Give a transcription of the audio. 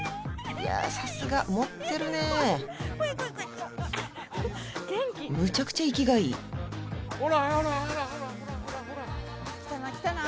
いやさすが持ってるねえ怖い怖い怖い元気むちゃくちゃ生きがいいほらほらほらほら来たな来たな！